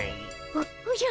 おおじゃ。